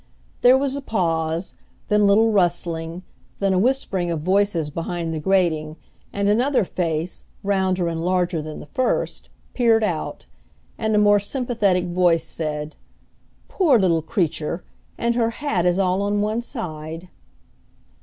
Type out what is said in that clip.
There was a pause; then a little rustling, then a whispering of voices behind the grating, and another face, rounder and larger than the first, peered out; and a more sympathetic voice said: "Poor little creature! and her hat is all on one side!"